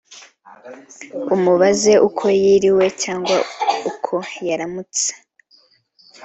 umubaze uko yiriwe cg uko yaramutse